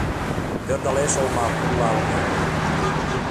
Пӧрдалеш олма, пурлалме.